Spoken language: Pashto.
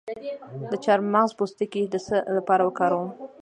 د چارمغز پوستکی د څه لپاره وکاروم؟